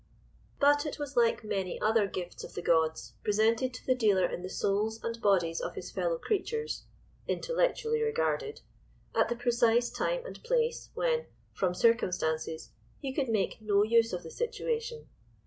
But it was like many other gifts of the gods, presented to the dealer in the souls and bodies of his fellow creatures (intellectually regarded), at the precise time and place, when, from circumstances, he could make no use of the situation.